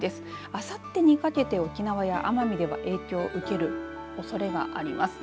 あさってにかけて沖縄や奄美では影響を受けるおそれがあります。